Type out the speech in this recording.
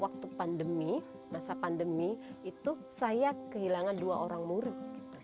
waktu pandemi masa pandemi itu saya kehilangan dua orang murid